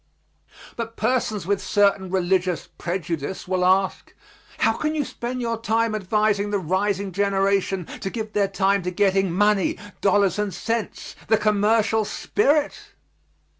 But persons with certain religious prejudice will ask, "How can you spend your time advising the rising generation to give their time to getting money dollars and cents the commercial spirit?"